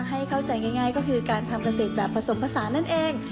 ให้เข้าใจง่ายก็คือการทำเกษตรแบบผสมผสานนั่นเอง